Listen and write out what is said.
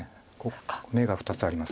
眼が２つあります。